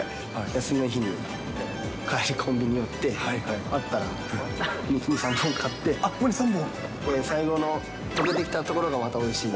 休みの日にコンビニ寄って、あったら、２本、２、３本？最後のとけてきたところがまたおいしい。